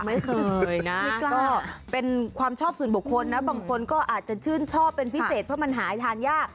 ไม่เคยนะนี่ก็เป็นความชอบส่วนบุคคลนะบางคนก็อาจจะชื่นชอบเป็นพิเศษเพราะมันหาทานยาก